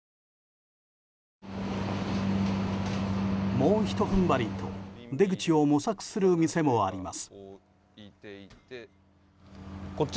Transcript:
もうひと踏ん張りと出口を模索する店もあります。